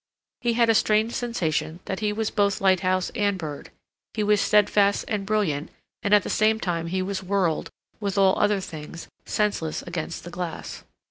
He had a strange sensation that he was both lighthouse and bird; he was steadfast and brilliant; and at the same time he was whirled, with all other things, senseless against the glass.